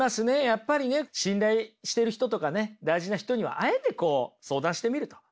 やっぱりね信頼してる人とかね大事な人にはあえてこう相談してみると。